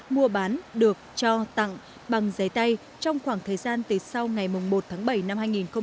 mua bán được cho tặng bằng giấy tay trong khoảng thời gian từ sau ngày một tháng bảy năm hai nghìn hai mươi